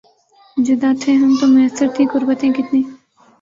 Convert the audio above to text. جدا تھے ہم تو میسر تھیں قربتیں کتنی